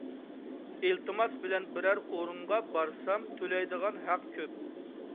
ئىلتىماس بىلەن بىرەر ئورۇنغا بارسام تۆلەيدىغان ھەق كۆپ.